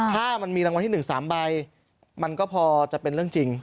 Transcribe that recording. ถ้ามันมีรางวัลที่๑๓ใบมันก็พอจะเป็นเรื่องจริง